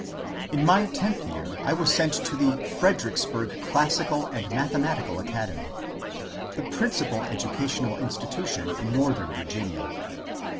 In my tenth year I was sent to the *^ Fredericksburg Classi cal and Mathematical Academy," — the principal educational institution in northern Virginia.